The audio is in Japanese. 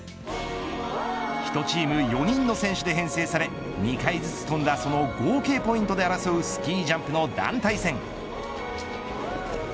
１チーム４人の選手で編成され２回ずつ飛んだその合計ポイントで争うスキージャンプの団体戦。